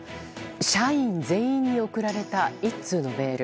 社員全員に送られた１通のメール。